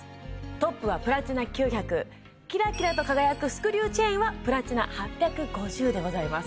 トップはプラチナ９００キラキラと輝くスクリューチェーンはプラチナ８５０でございます